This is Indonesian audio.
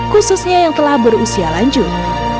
khususnya yang telah berusia lanjut